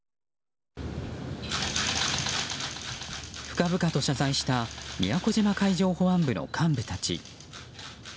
深々と謝罪した宮古島海上保安部の幹部たち。